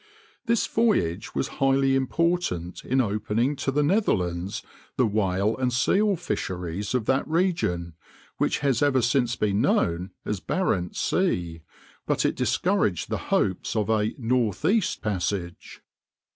This voyage was highly important in opening to the Netherlands the whale and seal fisheries of that region which has ever since been known as Barentz's Sea, but it discouraged the hopes of a "northeast passage."